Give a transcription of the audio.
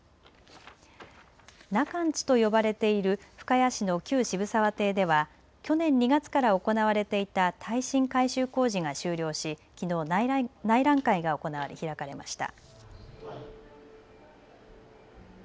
中の家と呼ばれている深谷市の旧渋沢邸では去年２月から行われていた耐震改修工事が終了し、きのう内覧会が開かれました。